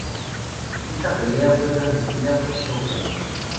Esta pelea fue transmitida por Showtime.